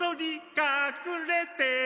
かくれて。